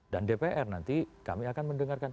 dan dpr nanti kami akan mendengarkan